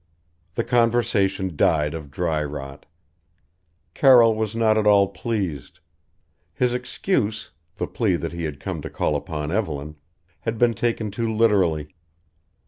The conversation died of dry rot. Carroll was not at all pleased. His excuse the plea that he had come to call upon Evelyn had been taken too literally.